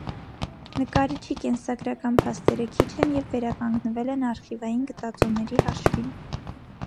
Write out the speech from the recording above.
Նկարիչի կենսագրական փաստերը քիչ են և վերականգնվել են արխիվային գտածոների հաշվին։